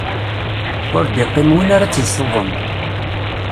Ur d-iqqim win ar ad tt-isuḍen.